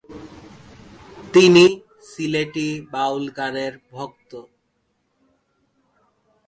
তিনি সিলেটি বাউল গানের ভক্ত।